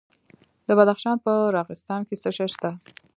د بدخشان په راغستان کې څه شی شته؟